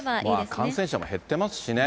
感染者も減ってますしね。